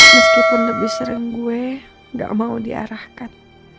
meskipun lebih sering gue gak mau diarahkan